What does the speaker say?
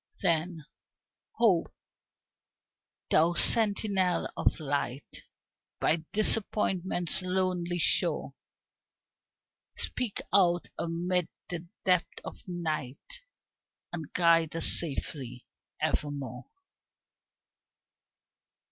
Then, Hope, thou sentinel of light By Disappointment's lonely shore, Speak out amid the depth of night And guide us safely evermore.